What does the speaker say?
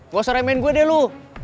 gak usah remein gue deh lu